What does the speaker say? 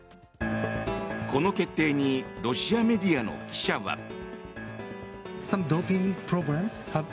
この決定にロシアメディアの記者は。